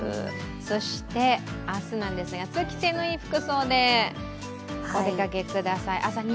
そして明日なんですが通気性のいい服装でお出かけください。